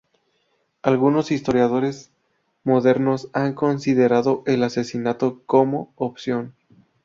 Algunos historiadores modernos han considerado el asesinato como opción.